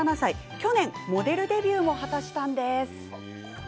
去年、モデルデビューも果たしたんです。